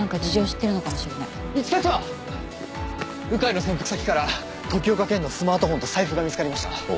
鵜飼の潜伏先から時岡賢のスマートフォンと財布が見つかりました。